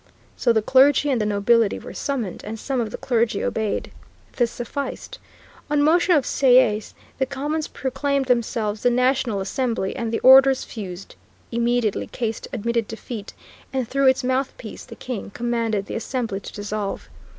So the Clergy and the Nobility were summoned, and some of the Clergy obeyed. This sufficed. On motion of Sieyès, the Commons proclaimed themselves the National Assembly, and the orders fused. Immediately caste admitted defeat and through its mouthpiece, the King, commanded the Assembly to dissolve.